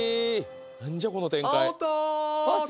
何じゃこの展開あおと！